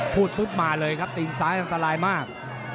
พูดปุ๊บมาเลยครับตีนซ้ายอันตรายมาก